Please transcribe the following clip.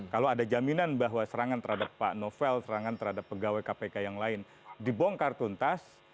kalau ada jaminan bahwa serangan terhadap pak novel serangan terhadap pegawai kpk yang lain dibongkar tuntas